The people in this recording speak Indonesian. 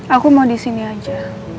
aku mau di sini aja